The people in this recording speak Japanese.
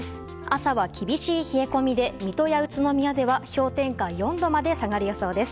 朝は厳しい冷え込みで水戸や宇都宮では氷点下４度まで下がる予想です。